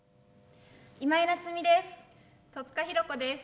今井菜津美です。